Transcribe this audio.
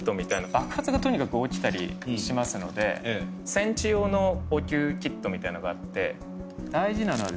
爆発がとにかく起きたりしますので戦地用の応急キットみたいなのがあって。